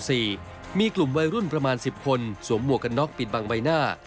ส่วนประมาณ๑๐คนสวมหัวกับนอกปิดบางใบหน้า